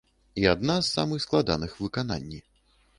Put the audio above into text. І адна з самых складаных у выкананні.